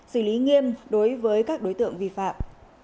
xử lý nghiêm đối với các đối tượng vi phạm